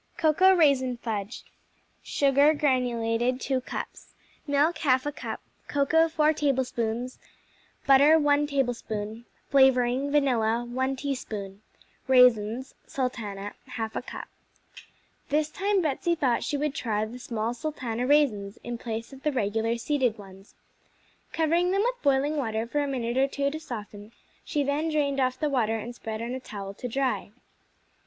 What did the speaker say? Cocoa Raisin Fudge Sugar (granulated), 2 cups Milk, 1/2 cup Cocoa, 4 tablespoons Butter, 1 tablespoon Flavoring (vanilla), 1 teaspoon Raisins (sultana), 1/2 cup This time Betsey thought she would try the small sultana raisins in place of the regular seeded ones. Covering them with boiling water for a minute or two to soften, she then drained off the water and spread on a towel to dry.